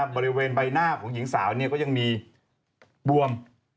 บริเวณใบหน้าของหญิงสาวก็ยังมีบวม